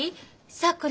さくら